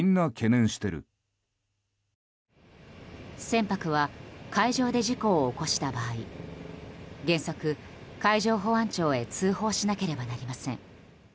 船舶は海上で事故を起こした場合原則、海上保安庁へ通報しなければなりません。